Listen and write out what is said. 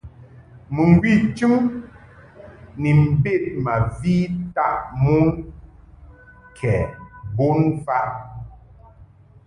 Mɨŋgwi chɨm ni mbed ma vi taʼ mon ke bon mfaʼ.